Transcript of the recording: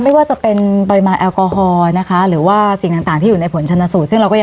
ไม่ว่าจะเป็นเปริมาณแอลกอฮอล์หรือสิ่งต่างที่อยู่ในผลชนสูตร